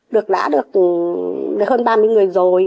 được đã được hơn ba mươi người rồi